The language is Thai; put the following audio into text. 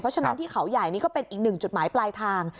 ฉะนั้นที่เขาใหญ่นี่ก็เป็นอีกหนึ่งจุดหมายปลายทาง